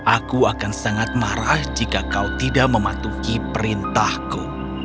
aku akan sangat marah jika kau tidak mematuhi perintahku